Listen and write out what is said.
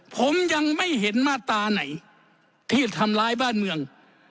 ผมยังไม่เห็นมาตราไหนที่ทำร้ายบ้านเมือง